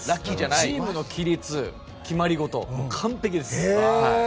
チームの規律決まり事、完璧です。